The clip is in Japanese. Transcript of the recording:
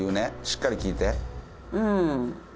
しっかり聞いて。